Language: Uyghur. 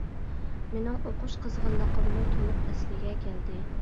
مېنىڭ ئوقۇش قىزغىنلىقىممۇ تولۇق ئەسلىگە كەلدى.